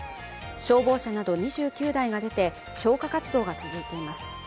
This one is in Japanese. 消防車など２９台が出て消火活動が続いています。